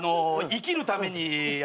生きるために？